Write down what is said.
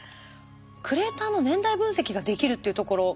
クレーターの年代分析ができるっていうところ。